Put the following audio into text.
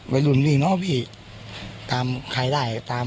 ไม่ครับพี่ครับ